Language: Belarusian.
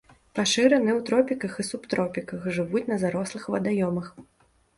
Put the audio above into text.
Пашыраны ў тропіках і субтропіках, жывуць на зарослых вадаёмах.